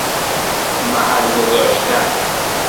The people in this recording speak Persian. محل گذاشتن